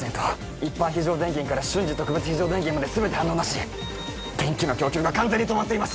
一般非常電源から瞬時特別非常電源まで全て反応なし電気の供給が完全に止まっています